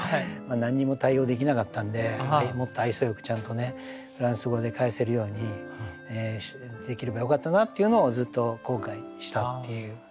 何にも対応できなかったんでもっと愛想よくちゃんとフランス語で返せるようにできればよかったなっていうのをずっと後悔したっていう。